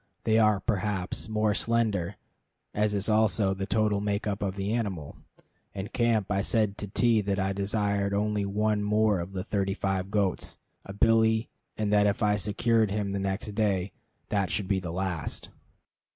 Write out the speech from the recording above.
They are, perhaps, more slender, as is also the total makeup of the animal. In camp I said to T that I desired only one more of those thirty five goats, a billy; and that if I secured him the next day, that should be the last.